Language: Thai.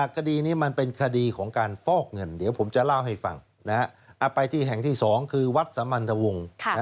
คดีนี้มันเป็นคดีของการฟอกเงินเดี๋ยวผมจะเล่าให้ฟังไปที่แห่งที่๒คือวัดสมันทะวง